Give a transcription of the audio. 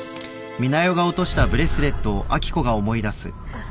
あっ